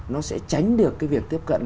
nó sẽ tránh được cái việc tiếp cận